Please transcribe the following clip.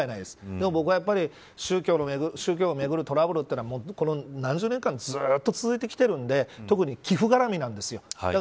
でも僕は宗教をめぐるトラブルというのはこの何十年ずっと続いてきているんで特に寄付絡みなんですよ。